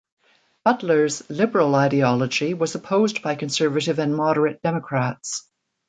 Butler's liberal ideology was opposed by conservative and moderate Democrats.